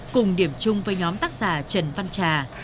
cùng điểm chung với nhóm tác giả trần văn trà